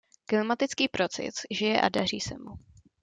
Klimatický proces žije a daří se mu.